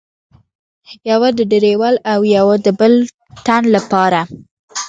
یوه د ډریور او یوه د بل تن له پاره.